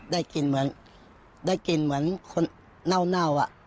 ได้กินเหมือนได้กินเหมือนคนเน่า